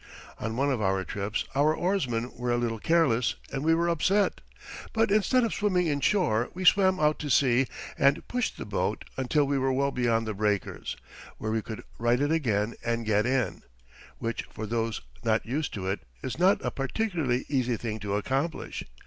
On one of our trips our oarsmen were a little careless and we were upset. But instead of swimming in shore we swam out to sea and pushed the boat until we were well beyond the breakers, where we could right it again and get in which, for those not used to it, is not a particularly easy thing to accomplish.